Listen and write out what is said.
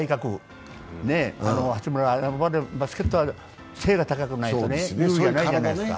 八村、バスケットは背が高くないと有利じゃないじゃないですか。